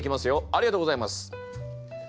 ありがとうございます！